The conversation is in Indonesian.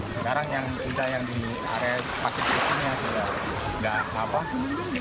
sekarang kita yang di area pasir pasir ini sudah tidak apa